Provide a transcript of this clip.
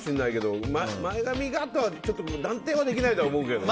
前髪がとは断定はできないと思うけどね。